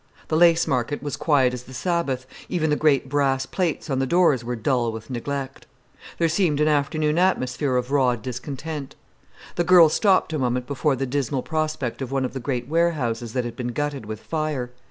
The Lace Market was quiet as the Sabbath: even the great brass plates on the doors were dull with neglect. There seemed an afternoon atmosphere of raw discontent. The girl stopped a moment before the dismal prospect of one of the great warehouses that had been gutted with fire.